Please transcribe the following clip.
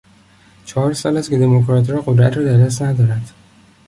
چهار سال است که دموکراتها قدرت را در دست ندارند.